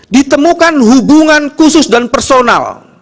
ditemukan hubungan khusus dan personal